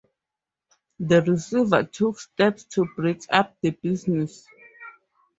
The Receiver took steps to break up the business.